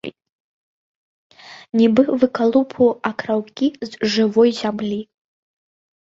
Нібы выкалупваў акраўкі з жывой зямлі.